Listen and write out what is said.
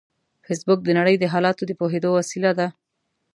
فېسبوک د نړۍ د حالاتو د پوهېدو وسیله ده